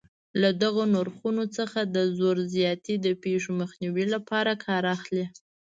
له دغو نرخونو څخه د زور زیاتي د پېښو مخنیوي لپاره کار اخلي.